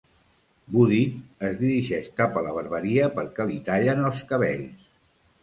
Woody es dirigeix cap a la barberia perquè li tallen els cabells.